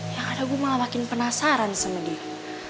yang ada gue malah makin penasaran sama dia